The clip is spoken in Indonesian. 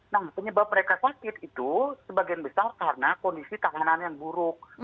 nah penyebab mereka sakit itu sebagian besar karena kondisi tahanan yang buruk